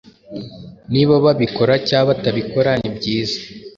Niba babikora cyangwa batabikora nibyiza.